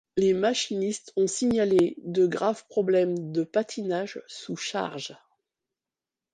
Les machinistes ont signalé de graves problèmes de patinage sous charge.